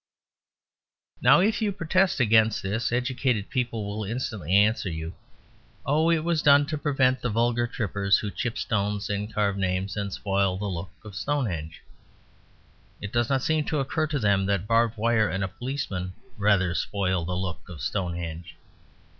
Now if you protest against this, educated people will instantly answer you, "Oh, it was done to prevent the vulgar trippers who chip stones and carve names and spoil the look of Stonehenge." It does not seem to occur to them that barbed wire and a policeman rather spoil the look of Stonehenge.